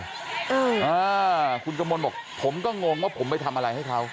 อ่าคุณกมลบอกผมก็งงว่าผมไปทำอะไรให้เขา